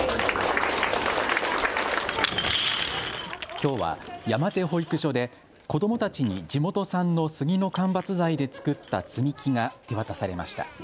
きょうは山手保育所で子どもたちに地元産の杉の間伐材で作った積み木が手渡されました。